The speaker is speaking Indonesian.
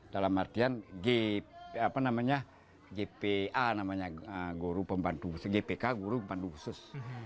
dalam artian gpa namanya guru pembantu gpk guru pembantu khusus